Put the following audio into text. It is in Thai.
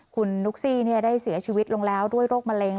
คุณนุ๊กซี่ได้เสียชีวิตลงแล้วด้วยโรคมะเร็ง